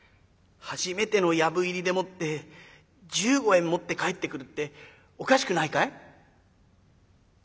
初めての藪入りでもって１５円持って帰ってくるっておかしくないかい？」。